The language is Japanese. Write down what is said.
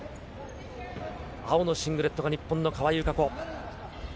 青のシングレットが日本の川井友香子。